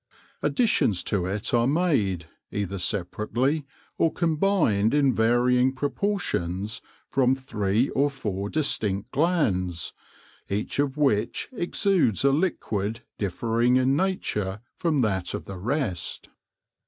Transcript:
Addi tions to it are made, either separately, or combined in varying proportions, from three or four distinct glands, each of which exudes a liquid differing in nature from that of the rest.